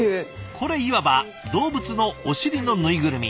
これいわば動物のお尻のぬいぐるみ。